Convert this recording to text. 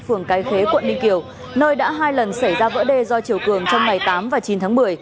phường cái khế quận ninh kiều nơi đã hai lần xảy ra vỡ đê do chiều cường trong ngày tám và chín tháng một mươi